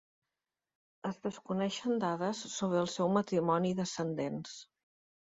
Es desconeixen dades sobre el seu matrimoni i descendents.